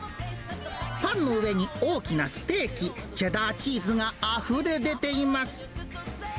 パンの上に大きなステーキ、チェダーチーズがあふれ出ています。